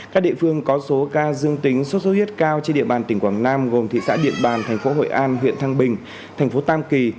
các địa phương có số ca dương tính sốt xuất huyết cao trên địa bàn tỉnh quảng nam gồm thị xã điện bàn thành phố hội an huyện thăng bình thành phố tam kỳ